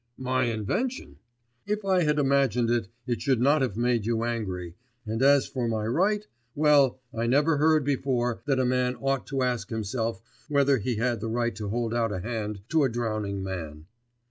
'My invention! If I had imagined it, it should not have made you angry; and as for my right, well I never heard before that a man ought to ask himself whether he had the right to hold out a hand to a drowning man.